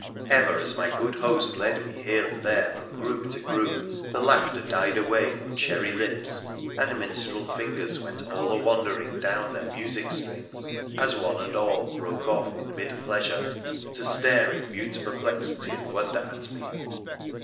Ever, as my good host led me here and there from group to group, the laughter died away on cherry lips, and minstrel fingers went all a wandering down their music strings as one and all broke off in mid pleasure to stare in mute perplexity and wonder at me.